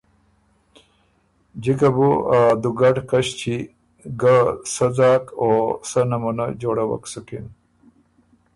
جکه دی بو ا دُوګډ کݭچی ګۀ سۀ ځاک او سۀ نمونۀ جوړَوک سُکِن۔